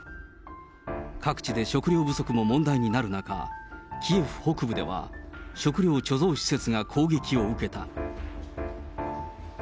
各地で食糧不足も問題になる中、キエフ北部では、食糧貯蔵施設が攻撃を受けた。